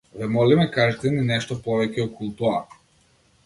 Ве молиме кажете ни нешто повеќе околу тоа.